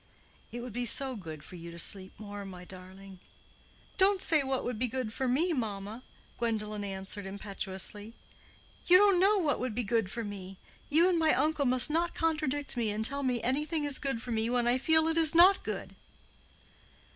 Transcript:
"It would be so good for you to sleep more, my darling." "Don't say what would be good for me, mamma," Gwendolen answered, impetuously. "You don't know what would be good for me. You and my uncle must not contradict me and tell me anything is good for me when I feel it is not good."